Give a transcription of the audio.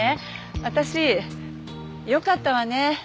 私「よかったわね。